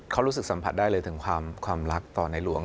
เขารู้สึกสัมผัสได้เลยถึงความรักต่อในหลวง